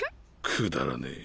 くだらねえ。